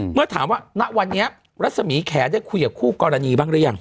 เมื่อถามว่าณวันนี้รัศมีแขได้คุยกับคู่กรณีบ้างหรือยัง